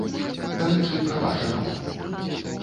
Дарэчы, пра вашы раманы.